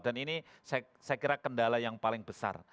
ini saya kira kendala yang paling besar